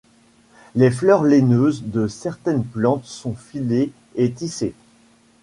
Les fleurs laineuses de certaines plantes sont filées et tissées.